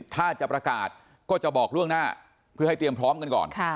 ถ้าจะประกาศก็จะบอกล่วงหน้าเพื่อให้เตรียมพร้อมกันก่อน